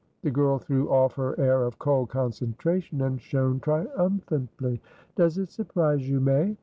The girl threw off her air of cold concentration, and shone triumphantly. "Does it surprise you, May?"